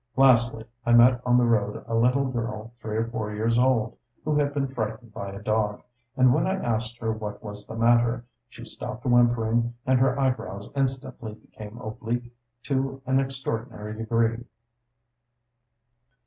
Lastly, I met on the road a little girl three or four years old, who had been frightened by a dog, and when I asked her what was the matter, she stopped whimpering, and her eyebrows instantly became oblique to an extraordinary degree.